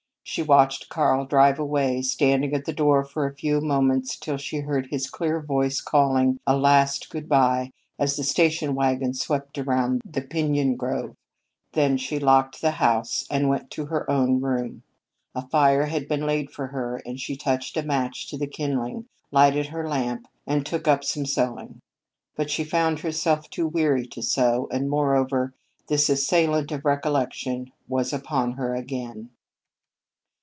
She watched Karl drive away, standing at the door for a few moments till she heard his clear voice calling a last good bye as the station wagon swept around the piñon grove; then she locked the house and went to her own room. A fire had been laid for her, and she touched a match to the kindling, lighted her lamp, and took up some sewing. But she found herself too weary to sew, and, moreover, this assailant of recollection was upon her again.